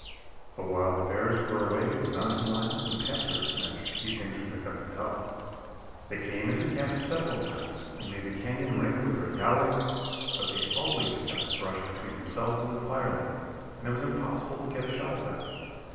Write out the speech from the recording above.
But while the bears were away the mountain lions and panthers managed to keep things from becoming dull. They came into camp several times and made the canyon ring with their yowling, but they always kept brush between themselves and the fire light, and it was impossible to get a shot at them.